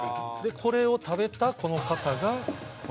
これを食べたこの方が。